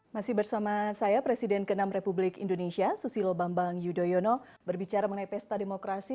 masih bersama saya presiden ke enam republik indonesia susilo bambang yudhoyono berbicara mengenai pesta demokrasi